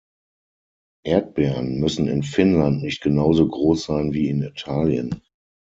Erdbeeren müssen in Finnland nicht genauso groß sein wie in Italien.